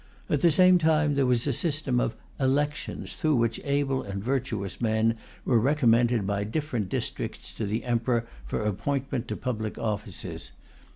At the same time, there was a system of "elections" through which able and virtuous men were recommended by different districts to the Emperor for appointment to public offices.